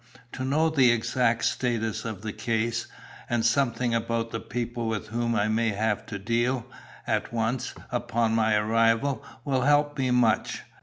To know the exact status of the case, and something about the people with whom I may have to deal, at once, upon my arrival, will help me much.